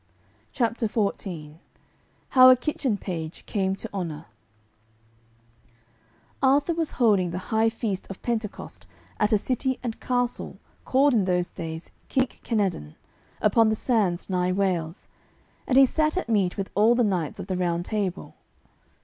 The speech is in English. CHAPTER XIV HOW A KITCHEN PAGE CAME TO HONOUR Arthur was holding the high feast of Pentecost at a city and castle called in those days Kink Kenadon, upon the sands nigh Wales, and he sat at meat with all the knights of the Round Table.